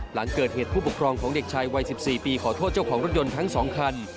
หลังเกิดเหตุผู้ปกครองของเด็กชายวัย๑๔ปีขอโทษเจ้าของรถยนต์ทั้ง๒คัน